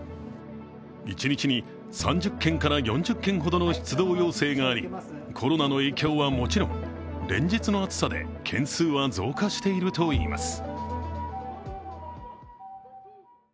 一日に３０４０件ほどの出動要請がありコロナの影響はもちろん連日の暑さで件数は増加しているといいます。